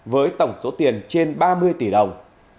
với tổng số tiền trên ba mươi tỷ đồng